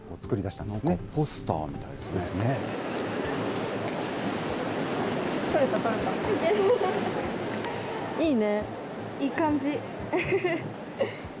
なんかポスターみたいですね。